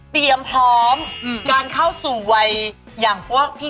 เตรียมพร้อมการเข้าสู่วัยอย่างพวกพี่